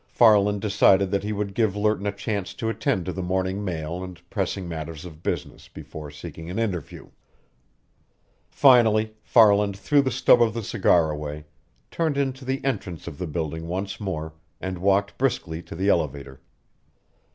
Farland decided that he would give Lerton a chance to attend to the morning mail and pressing matters of business, before seeking an interview. Finally, Farland threw the stub of the cigar away, turned into the entrance of the building once more, and walked briskly to the elevator.